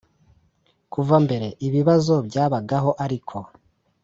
kuva mbere ibibazo byabagaho ariko